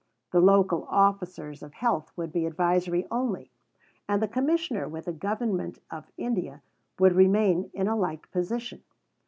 The local Officers of Health would be advisory only; and the Commissioner with the Government of India would remain in a like position.